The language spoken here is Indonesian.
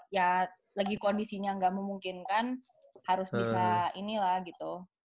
ya lagi kondisinya gak memungkinkan harus bisa ini lah gitu